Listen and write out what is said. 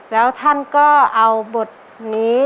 แล้วท่านก็เอาบทนี้